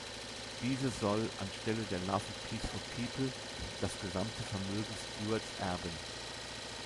Diese soll, anstelle der „Love and Peace for People“, das gesamte Vermögen Stuarts erben.